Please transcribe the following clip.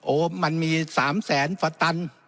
โอ้มันมี๓แสนฟะตัน